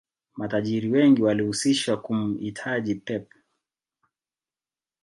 matajiri wengi walihusishwa kumhitaji pep